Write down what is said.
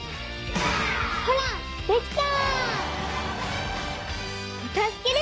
ほらできた！